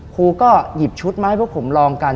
ครูก็หยิบชุดมาให้พวกผมลองกัน